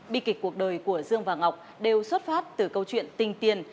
bi kịch cuộc đời của dương và ngọc đều xuất phát từ câu chuyện tình tiền